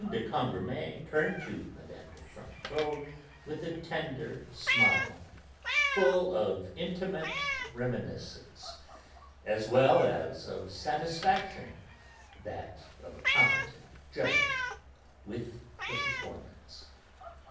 de Cambremer turned to Mme. de Franquetot with a tender smile, full of intimate reminiscence, as well as of satisfaction (that of a competent judge) with the performance.